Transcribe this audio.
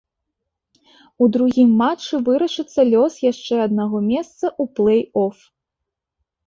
У другім матчы вырашыцца лёс яшчэ аднаго месца ў плэй-оф.